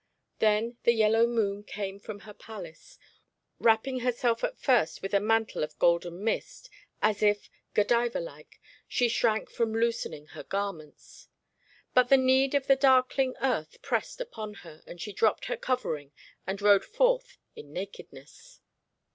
Then the yellow moon came from her palace, wrapping herself at first with a mantle of golden mist, as if Godiva like she shrank from loosening her garments; but the need of the darkling earth pressed upon her, and she dropped her covering and rode forth in nakedness.